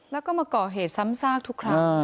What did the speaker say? แล้วก็มาก่อเหตุซ้ำซากทุกครั้ง